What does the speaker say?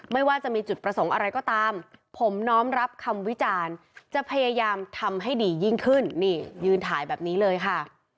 ไม่ว่าจะมีจุดประสงค์อะไรก็ตามผมน้อมรับคำวิจารณ์จะพยายามทำให้ดียิ่งขึ้นนี่ยืนถ่ายแบบนี้เลยค่ะ